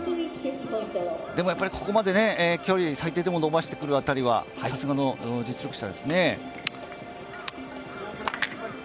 でもやっぱりここまで距離、最低でも伸ばしてくるあたりはさすがの実力者ですね。